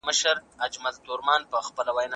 د فرهنګ او دین ترمنځ اړوندتيا مهمه ده.